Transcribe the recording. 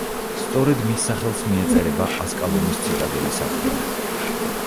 სწორედ მის სახელს მიეწერება ასკალონის ციტადელის აღდგენა.